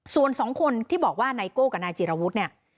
ส่วนสองคนที่บอกว่าไนโก้กับนายจิรวุฒิเนี่ย